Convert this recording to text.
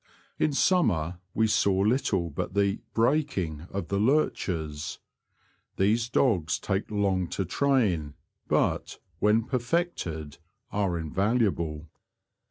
In summer we saw little but the '' breaking " of the lurchers. These dogs take long to train, but, when perfected, are invaluable.